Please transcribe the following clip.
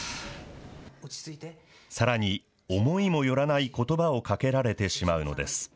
さらに、思いも寄らないことばをかけられてしまうのです。